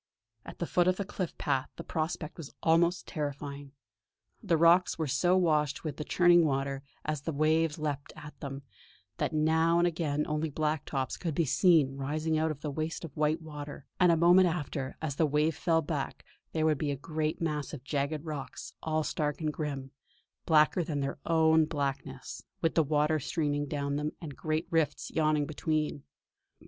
At the foot of the cliff path the prospect was almost terrifying. The rocks were so washed with the churning water, as the waves leaped at them, that now and again only black tops could be seen rising out of the waste of white water; and a moment after, as the wave fell back, there would be a great mass of jagged rocks, all stark and grim, blacker than their own blackness, with the water streaming down them, and great rifts yawning between.